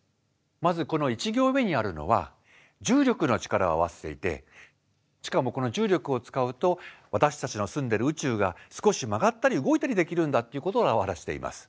まずこの１行目にあるのは重力の力を合わせていてしかもこの重力を使うと私たちの住んでる宇宙が少し曲がったり動いたりできるんだということを表しています。